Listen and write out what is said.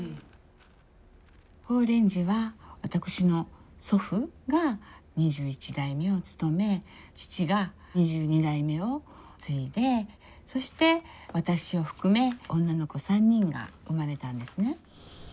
宝蓮寺は私の祖父が２１代目を務め父が２２代目を継いでそして私を含め女の子３人が生まれたんですね。